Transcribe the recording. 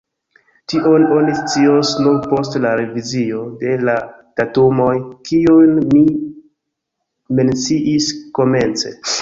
Tion oni scios nur post la revizio de la datumoj, kiujn mi menciis komence.